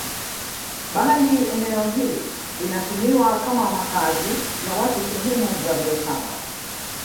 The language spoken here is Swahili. Bali eneo hili linatumiwa kama makazi ya watu sehemu za biashara